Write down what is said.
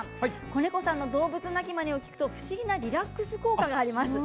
小猫さんの動物鳴きまねを聞くと不思議なリラックス効果があります。